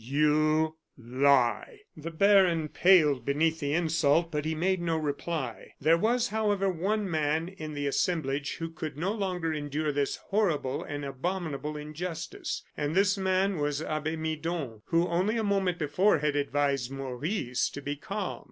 "You lie!" The baron paled beneath the insult, but he made no reply. There was, however, one man in the assemblage who could no longer endure this horrible and abominable injustice, and this man was Abbe Midon, who, only a moment before, had advised Maurice to be calm.